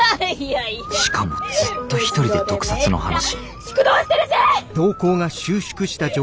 しかもずっと一人で毒殺の話縮瞳してるし！